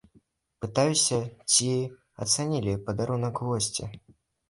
Пытаюся, ці ацанілі падарунак госці.